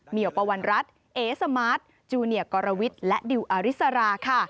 เมียปวรรณรัฐเอสมาร์ตจูเนียร์กรวรวิตและดิวอาริสราค่ะ